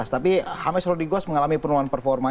tapi james rodriguez mengalami penurunan performa